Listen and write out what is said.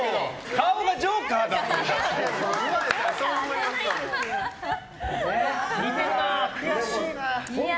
顔がジョーカーじゃん！